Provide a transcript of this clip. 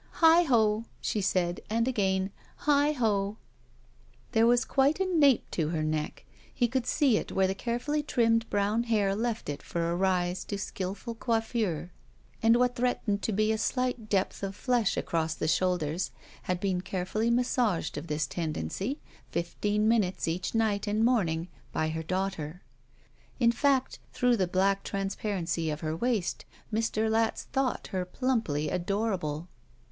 "Heigh ho!" she said, and again, "Heigh ho!" There was quite a nape to her neck. He could see it where the carefully trimmed brown hair left it for a rise to skillful coiffure, and what threatened to be a slight depth of flesh across the shoulders had been carefully massaged of this tendency, fifteen minutes each night and morning, by her daughter. In fact, through the black transparency of her waist Mr. Latz thought her plumply adocable.